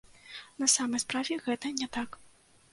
На самай справе гэта не так.